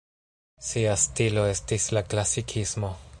Sia stilo estis la klasikismo.